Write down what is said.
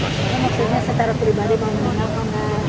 maksudnya secara pribadi mau dihubungkan